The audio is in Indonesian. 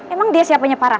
emang dia siapanya parah